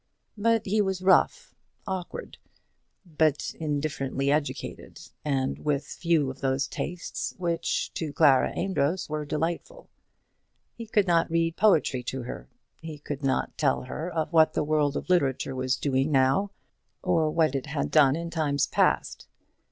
But he was rough, awkward, but indifferently educated, and with few of those tastes which to Clara Amedroz were delightful. He could not read poetry to her, he could not tell her of what the world of literature was doing now or of what it had done in times past.